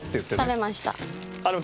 食べました。